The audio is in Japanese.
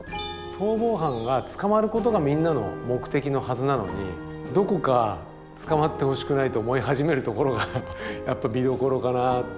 逃亡犯が捕まることがみんなの目的のはずなのにどこか捕まってほしくないと思い始めるところが見どころかな。